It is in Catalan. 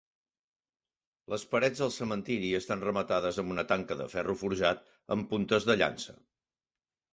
Les parets del cementiri estan rematades amb una tanca de ferro forjat amb puntes de llança.